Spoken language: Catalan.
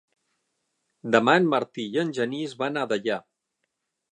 Demà en Martí i en Genís van a Deià.